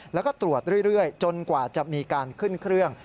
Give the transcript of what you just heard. แล้วก็ตรวจเรื่อยจนกว่าจะมีการขึ้นเครื่อง